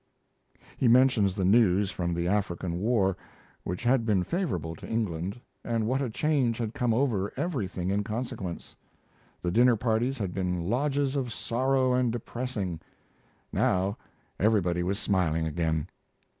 He mentions the news from the African war, which had been favorable to England, and what a change had come over everything in consequence. The dinner parties had been lodges of sorrow and depressing. Now everybody was smiling again.